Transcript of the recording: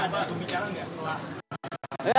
apa bisa bicara nggak setelah